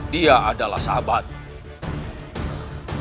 dia adalah sahabatmu